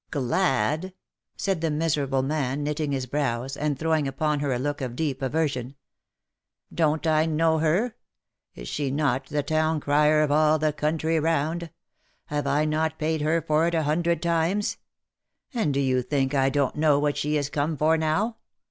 " Glad?" said the miserable man, knitting his brows, and throwing upon her a look of deep aversion. " Don't I know her ? Is she not the town crier of all the country round? Have I not paid her for it a hundred times ? And do you think I don't know what she is come for now?